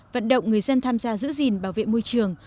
vận động người dân tham gia giữ gìn bảo vệ môi trường